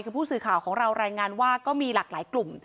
คือผู้สื่อข่าวของเรารายงานว่าก็มีหลากหลายกลุ่ม